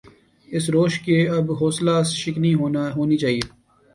اس روش کی اب حوصلہ شکنی ہونی چاہیے۔